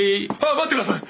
あ待ってください！